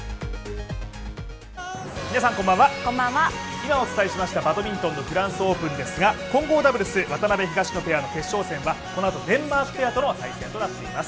今お伝えしましたフランスオープンですが混合ダブルス、渡辺・東野ペアは、このあと、デンマークペアとの対戦となっています。